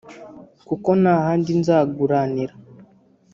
kuko nta handi nzaguranira